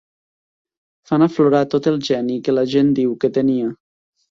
Fan aflorar tot el geni que la gent diu que tenia.